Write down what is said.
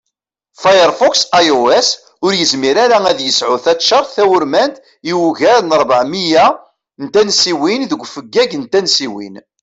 Firefox iOS ur yizmir ara ad yesεu taččart tawurmant i ugar n rbeɛ miyya n tansiwin deg ufeggag n tansiwin